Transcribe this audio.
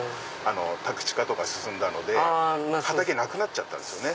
宅地化とか進んだので畑なくなっちゃったんですよね。